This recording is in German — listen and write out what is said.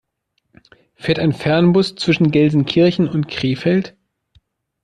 Fährt ein Fernbus zwischen Gelsenkirchen und Krefeld?